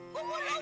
gua mau lompat